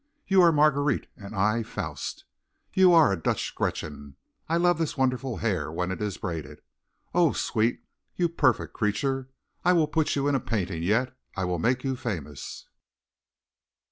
You are Marguerite and I Faust. You are a Dutch Gretchen. I love this wonderful hair when it is braided. Oh, sweet, you perfect creature! I will put you in a painting yet. I will make you famous."